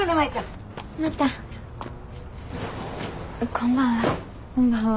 こんばんは。